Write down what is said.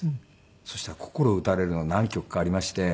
そしたら心打たれるのが何曲かありまして。